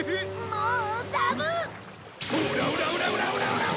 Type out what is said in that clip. もう。